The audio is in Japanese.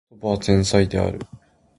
叔母は天才である